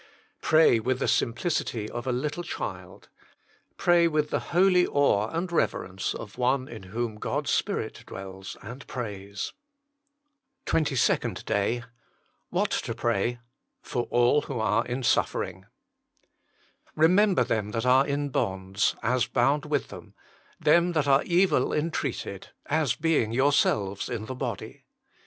Pray witli the simplicity of a little child ; pray with the holy awe and reverence of one in whom God s Spirit dwells and prays. SPECIAL PETITIONS PRAY WITHOUT CEASINO TWENTY SECOND DAY WHAT TO PRAY. Jor all luho arc ht Buffering " Remember them that are in bonds, as hound with them ; them that are evil entreated, as being yourselves in the body."